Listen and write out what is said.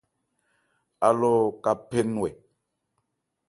Alɔ ka phɛ nnwɛ.